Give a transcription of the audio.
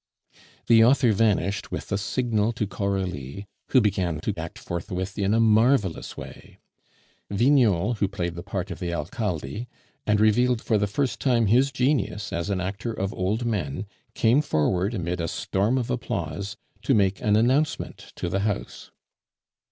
The author vanished with a signal to Coralie, who began to act forthwith in a marvelous way. Vignol, who played the part of the alcalde, and revealed for the first time his genius as an actor of old men, came forward amid a storm of applause to make an announcement to the house.